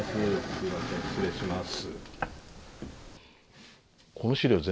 すみません失礼します。